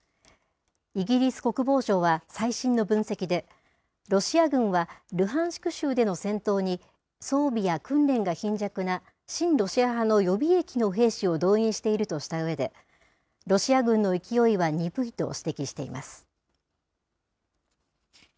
イギリス国防省は最新の分析で、ロシア軍は、ルハンシク州での戦闘に、装備や訓練が貧弱な親ロシア派の予備役の兵士を動員しているとしたうえで、ロシア軍の勢いは鈍いと指摘しています。